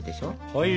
はい！